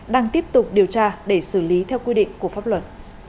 đang tiếp tục điều tra để xử lý theo quy định của pháp luật